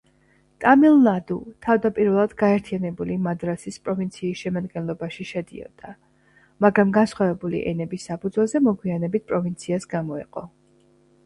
ტამილნადუ თავდაპირველად გაერთიანებული მადრასის პროვინციის შემადგენლობაში შედიოდა, მაგრამ განსხვავებული ენების საფუძველზე მოგვიანებით პროვინციას გამოეყო.